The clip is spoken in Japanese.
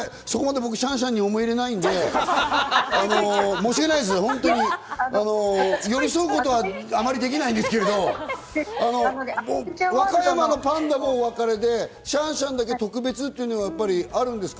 僕、シャンシャンにそこまで思い入れないんで、寄り添うことはあまりできないんですけれども、和歌山のパンダもお別れで、シャンシャンだけ特別っていうのはあるんですか？